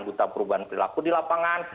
duta perubahan perilaku di lapangan